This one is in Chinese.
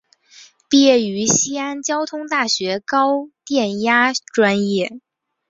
毕业于西安交通大学高电压专业。